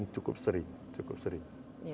cukup sering cukup sering